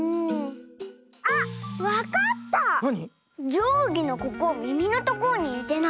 じょうぎのここみみのところににてない？